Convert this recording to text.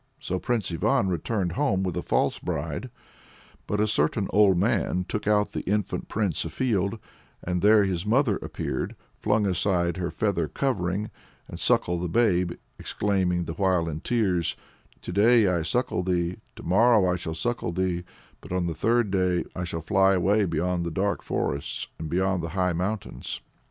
So Prince Ivan returned home with a false bride. But a certain old man took out the infant prince afield, and there his mother appeared, flung aside her feather covering, and suckled the babe, exclaiming the while with tears "To day I suckle thee, to morrow I shall suckle thee, but on the third day I shall fly away beyond the dark forests, beyond the high mountains!"